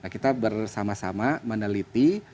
kita bersama sama meneliti